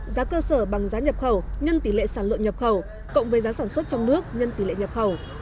giá cơ sở bằng giá nhập khẩu nhân tỷ lệ sản lượng nhập khẩu cộng với giá sản xuất trong nước nhân tỷ lệ nhập khẩu